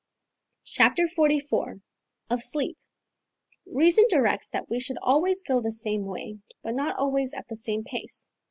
CHAPTER XLIV OF SLEEP Reason directs that we should always go the same way, but not always at the same pace.